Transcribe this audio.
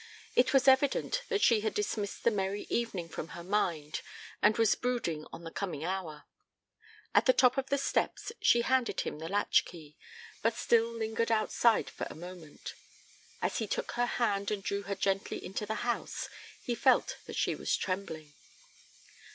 It was evident that she had dismissed the merry evening from her mind and was brooding on the coming hour. At the top of the steps she handed him the latchkey, but still lingered outside for a moment. As he took her hand and drew her gently into the house he felt that she was trembling.